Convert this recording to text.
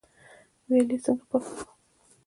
ویالې څنګه پاکې کړو؟